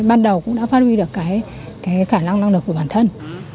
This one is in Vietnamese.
ban đầu cũng đã phát huy được cái khả năng năng lực của bản thân